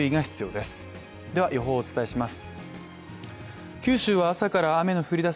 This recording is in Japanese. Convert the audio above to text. では、予報をお伝えします。